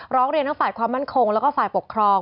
ร้องเรียนทั้งฝ่ายความมั่นคงแล้วก็ฝ่ายปกครอง